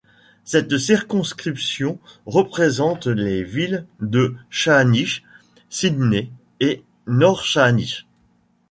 Cette circonscription représente les villes de Saanich, Sidney et North Saanich.